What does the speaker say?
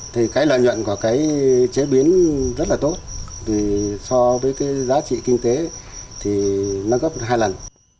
thì cái lợi nhuận của cái chế biến rất là tốt vì so với cái giá trị kinh tế thì nâng gấp hai lần